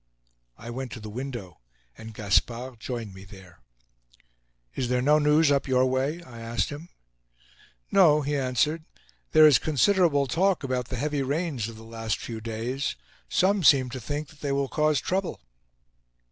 I went to the window, and Gaspard joined me there. "Is there no news up your way?" I asked him. "No," he answered. "There is considerable talk about the heavy rains of the last few days. Some seem to think that they will cause trouble."